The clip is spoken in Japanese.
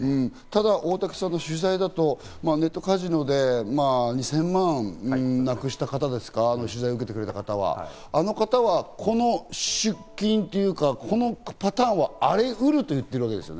ただ大竹さんの取材だと、ネットカジノで２０００万なくした方、取材を受けてくれた方、あの方はこの出金というか、このパターンはありうると言ってるわけです。